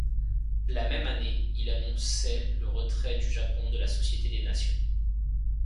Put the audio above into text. La même année, il annonçait le retrait du Japon de la Société des Nations.